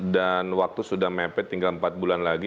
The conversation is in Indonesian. dan waktu sudah mepet tinggal empat bulan lagi